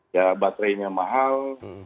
ya baterainya mahal